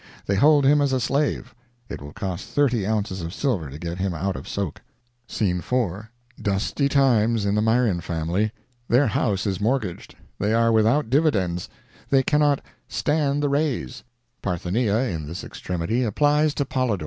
They hold him as a slave. It will cost thirty ounces of silver to get him out of soak. Scene 4.—Dusty times in the Myron family. Their house is mortgaged—they are without dividends—they cannot "stand the raise." Parthenia, in this extremity, applies to Polydor.